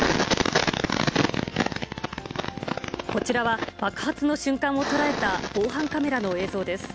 こちらは爆発の瞬間を捉えた防犯カメラの映像です。